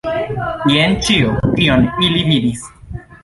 Jen ĉio, kion ili vidis.